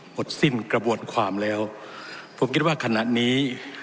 หมดสิ้นกระบวนความแล้วผมคิดว่าขณะนี้